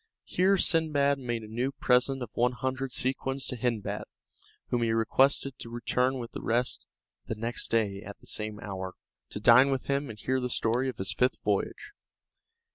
Here Sindbad made a new present of one hundred sequins to Hindbad, whom he requested to return with the rest next day at the same hour, to dine with him and hear the story of his fifth voyage.